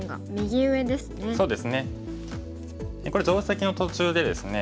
これ定石の途中でですね